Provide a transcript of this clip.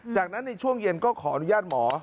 จากนั้นในช่วงเย็นก็ขออนุญาตหมอ